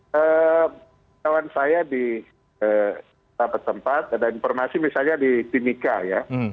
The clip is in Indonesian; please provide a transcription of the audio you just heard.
ketahuan saya di tempat tempat ada informasi misalnya di timika ya